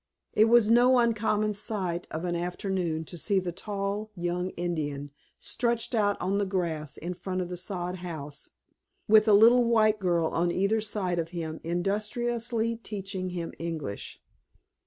It was no uncommon sight of an afternoon to see the tall young Indian stretched out on the grass in front of the sod house, with a little white girl on either side of him industriously teaching him English.